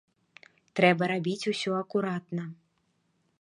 Трэба рабіць усё акуратна.